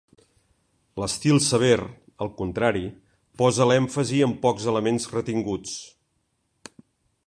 L'estil sever, al contrari, posa l'èmfasi en pocs elements retinguts.